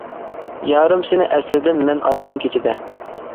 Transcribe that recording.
يارىم سېنى ئەسلىدىم مەن ئايدىڭ كېچىدە.